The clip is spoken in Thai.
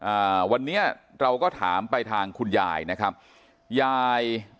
อ่าวันนี้เราก็ถามไปทางคุณยายนะครับยาย